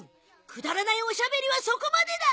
くだらないおしゃべりはそこまでだ！